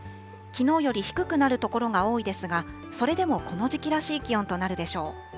きのうより低くなる所が多いですが、それでもこの時期らしい気温となるでしょう。